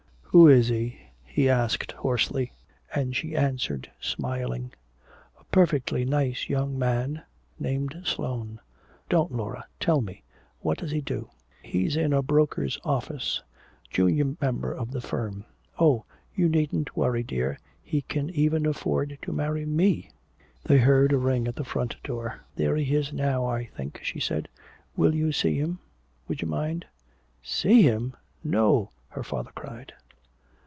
"Who is he?" he asked hoarsely. And she answered smiling, "A perfectly nice young man named Sloane." "Don't, Laura tell me! What does he do?" "He's in a broker's office junior member of the firm, Oh, you needn't worry, dear, he can even afford to marry me." They heard a ring at the front door. "There he is now, I think," she said. "Will you see him? Would you mind?" "See him? No!" her father cried.